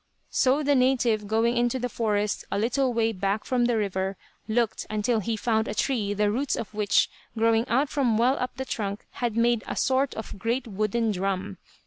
So the native, going into the forest, a little way back from the river, looked until he found a tree the roots of which growing out from well up the trunk had made a sort of great wooden drum.